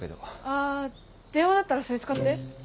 ああ電話だったらそれ使って。